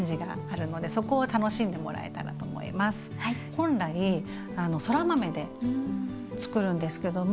本来そら豆でつくるんですけども。